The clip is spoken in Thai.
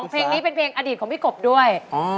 เพลงนี้เป็นเพลงอดีตของพี่กบด้วย